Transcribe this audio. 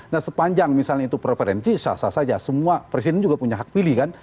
nah sepanjang misalnya itu preferensi sah sah saja semua presiden juga punya hak pilih kan